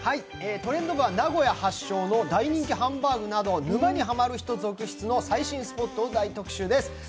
「トレンド部」は名古屋発祥の大人気ハンバーグなど、沼にハマる人続出の最新スポットを大特集です。